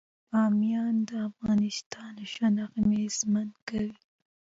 بامیان د افغانانو ژوند اغېزمن کوي.